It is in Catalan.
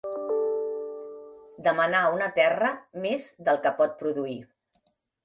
Demanar a una terra més del que pot produir.